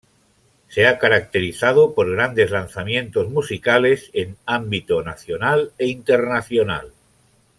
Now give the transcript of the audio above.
Se ha caracterizado por grandes lanzamientos musicales, en ámbito nacional e internacional.